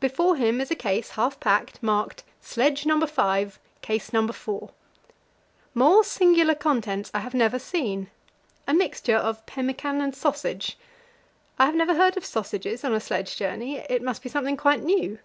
Before him is a case half packed, marked "Sledge No. V., Case No. 4." More singular contents I have never seen a mixture of pemmican and sausage. I have never heard of sausages on a sledge journey; it must be something quite new.